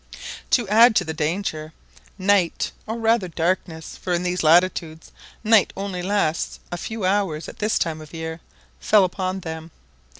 To add to the danger, night, or rather darkness, for in these latitudes night only lasts a few hours at this time of year, fell upon them.